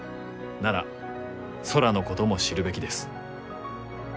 なら空のことも知るべきです。